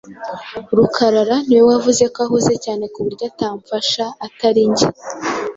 Rukarara niwe wavuze ko ahuze cyane ku buryo atamfasha, atari njye.